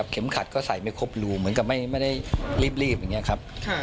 เข็มขัดก็ใส่ไม่ครบรูเหมือนกับไม่ได้รีบอย่างนี้ครับ